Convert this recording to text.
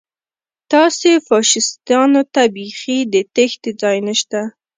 تاسې فاشیستانو ته بیخي د تېښتې ځای نشته